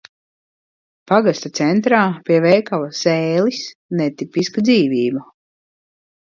Pagasta centrā pie veikala "Sēlis" netipiska dzīvība.